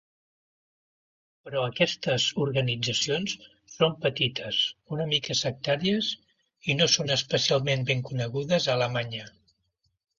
Però aquestes organitzacions són petites, una mica sectàries, i no són especialment ben conegudes a Alemanya.